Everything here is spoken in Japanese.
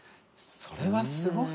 それはすごい。